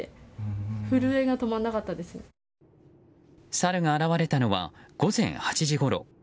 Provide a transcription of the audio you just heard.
サルが現れたのは午前８時ごろ。